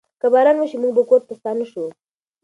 که باران وشي، موږ به کور ته ستانه شو.